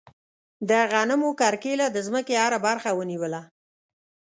د غنمو کرکیله د ځمکې هره برخه ونیوله.